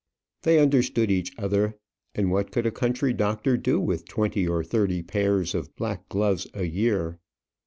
They understood each other; and what could a country doctor do with twenty or thirty pairs of black gloves a year?